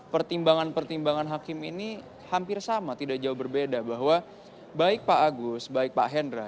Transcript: pertimbangan pertimbangan hakim ini hampir sama tidak jauh berbeda bahwa baik pak agus baik pak hendra